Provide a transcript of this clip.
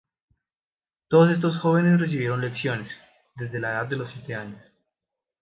Todos estos jóvenes recibieron lecciones, desde la edad de siete años.